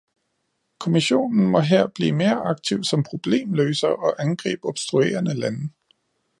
Kommissionen må her blive mere aktiv som problemløser og angribe obstruerende lande.